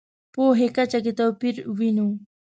پوهې کچه کې توپیر وینو.